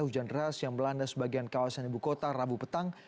hujan deras yang melanda sebagian kawasan ibu kota rabu petang